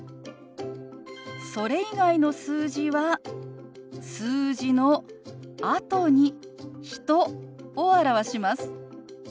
それ以外の数字は数字のあとに人を表します。